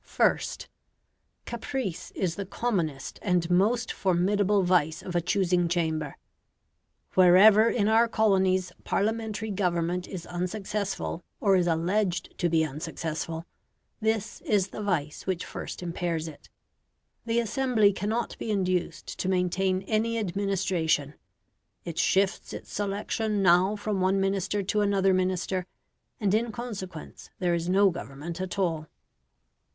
First. Caprice is the commonest and most formidable vice of a choosing chamber. Wherever in our colonies Parliamentary government is unsuccessful, or is alleged to be unsuccessful, this is the vice which first impairs it. The assembly cannot be induced to maintain any administration; it shifts its selection now from one Minister to another Minister, and in consequence there is no government at all.